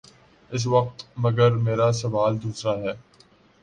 اس وقت مگر میرا سوال دوسرا ہے۔